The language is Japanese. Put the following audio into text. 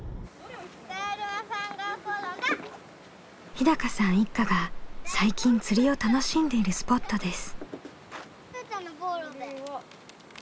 日さん一家が最近釣りを楽しんでいるスポットです。